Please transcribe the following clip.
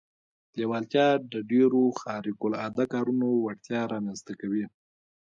لېوالتیا د ډېرو خارق العاده کارونو وړتیا رامنځته کوي